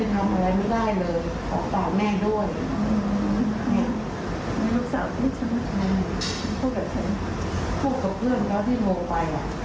คุกกับเพื่อนเค้าที่รู้ไปล่ะ